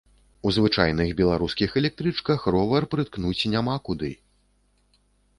У звычайных беларускіх электрычках ровар прыткнуць няма куды.